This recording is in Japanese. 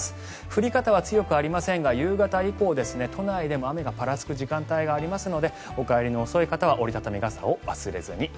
降り方は強くありませんが夕方以降都内でも雨がぱらつく時間帯がありますのでお帰りの遅い方は折り畳み傘を忘れずに。